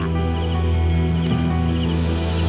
eh kebalik kebalik